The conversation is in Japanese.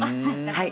はい。